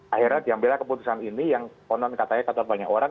akhirnya diambillah keputusan ini yang konon katanya kata banyak orang